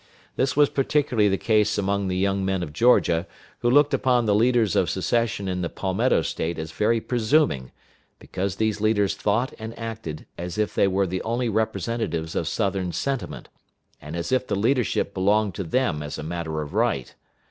This was particularly the case among the young men of Georgia, who looked upon the leaders of secession in the Palmetto State as very presuming, because these leaders thought and acted as if they were the only representatives of Southern sentiment, and as if the leadership belonged to them as a matter of right.